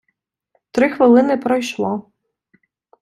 три хвилини пройшло.